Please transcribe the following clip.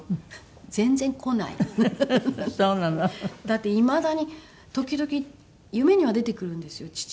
だっていまだに時々夢には出てくるんですよ父。